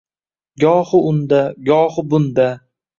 Gohi unda, gohi bunda